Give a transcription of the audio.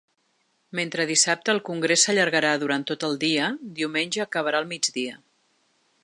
Mentre dissabte el congrés s’allargarà durant tot el dia, diumenge acabarà al migdia.